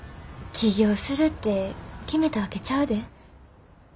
起業するって決めたわけちゃうで。